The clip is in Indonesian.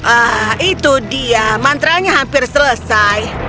ah itu dia mantranya hampir selesai